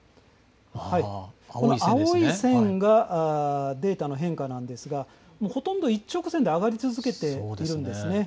この青い線がデータの変化なんですがほとんど一直線で上がり続けているんです。